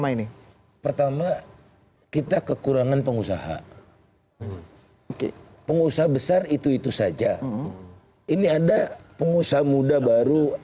ini pertama kita kekurangan pengusaha pengusaha besar itu itu saja ini ada pengusaha muda baru